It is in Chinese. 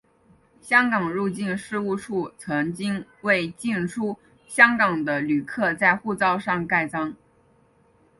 香港入境事务处曾经为进出香港的旅客在护照上盖章。